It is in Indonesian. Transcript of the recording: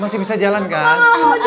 masih bisa jalan kan